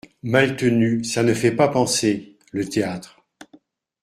Maltenu Ça ne fait pas penser… le théâtre…